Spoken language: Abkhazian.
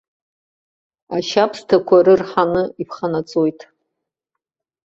Ашьабсҭақәа рырҳаны иԥханаҵоит.